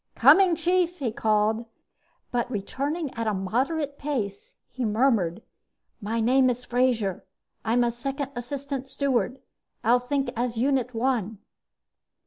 "Coming, Chief!" he called but, returning at a moderate pace, he murmured, "My name is Frazer. I'm a second assistant steward. I'll think as Unit One."